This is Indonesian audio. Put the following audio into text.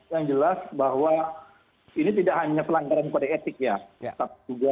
yang jelas bahwa ini tidak hanya pelanggaran kode etik ya tapi juga